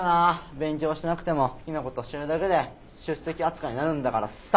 勉強しなくても好きなことしてるだけで出席扱いになるんだからさ。